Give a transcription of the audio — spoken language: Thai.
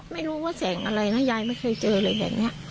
ไม่รู้ว่าแสงอะไรนะยายไม่เคยเจออะไรแบบนี้